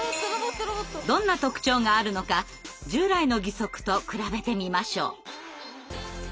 どんな特徴があるのか従来の義足と比べてみましょう。